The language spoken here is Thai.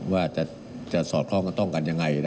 ว่าจะสอดคล้องกับต้องกันยังไง